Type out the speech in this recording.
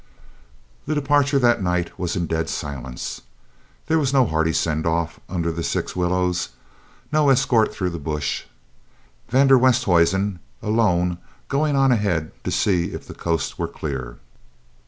The departure that night was in dead silence. There was no hearty "send off" under the six willows, no escort through the bush, van der Westhuizen alone going on ahead to see if the coast were clear.